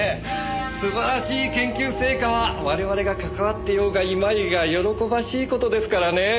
素晴らしい研究成果は我々が関わっていようがいまいが喜ばしい事ですからね。